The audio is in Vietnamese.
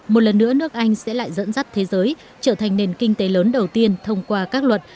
một lần nữa nước anh sẽ lại dẫn dắt thế giới trở thành nền kinh tế lớn đầu tiên thông qua các luật